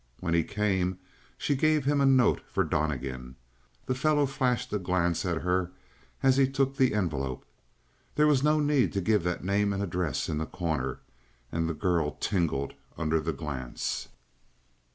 When he came, she gave him a note for Donnegan. The fellow flashed a glance at her as he took the envelope. There was no need to give that name and address in The Corner, and the girl tingled under the glance.